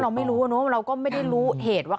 เราไม่รู้เนอะเราก็ไม่ได้รู้เหตุว่า